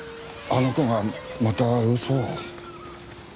あの子がまた嘘を。